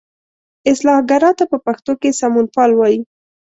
اصلاح ګرا ته په پښتو کې سمونپال وایي.